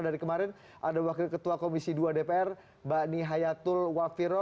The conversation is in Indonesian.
dari kemarin ada wakil ketua komisi dua dpr mbak nihayatul wafiro